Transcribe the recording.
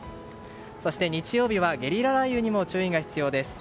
そして日曜日はゲリラ雷雨にも注意が必要です。